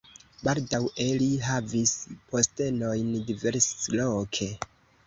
Baldaŭe li havis postenojn diversloke.